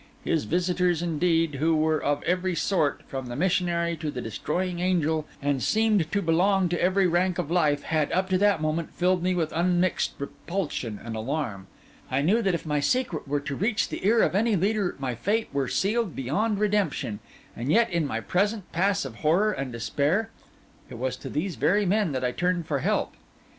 His visitors, indeed, who were of every sort, from the missionary to the destroying angel, and seemed to belong to every rank of life, had, up to that moment, filled me with unmixed repulsion and alarm. I knew that if my secret were to reach the ear of any leader my fate were sealed beyond redemption; and yet in my present pass of horror and despair, it was to these very men that I turned for help.